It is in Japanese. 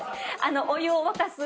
お湯を沸かす。